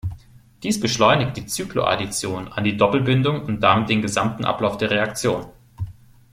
Dies beschleunigt die Cycloaddition an die Doppelbindung und damit den gesamten Ablauf der Reaktion.